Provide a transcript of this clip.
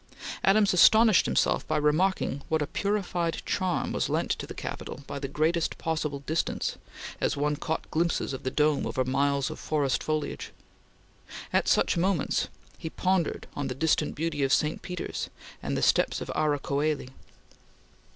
Adams astonished himself by remarking what a purified charm was lent to the Capitol by the greatest possible distance, as one caught glimpses of the dome over miles of forest foliage. At such moments he pondered on the distant beauty of St. Peter's and the steps of Ara Coeli.